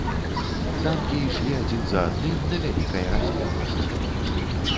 Танкі ішлі адзін за адным на вялікай разлегласці.